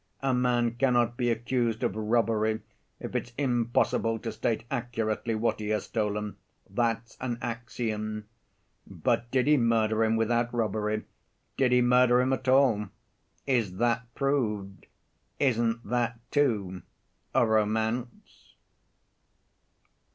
A man cannot be accused of robbery, if it's impossible to state accurately what he has stolen; that's an axiom. But did he murder him without robbery, did he murder him at all? Is that proved? Isn't that, too, a romance?"